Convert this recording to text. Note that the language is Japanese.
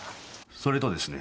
それとですね。